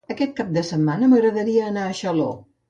Aquest cap de setmana m'agradaria anar a Xaló.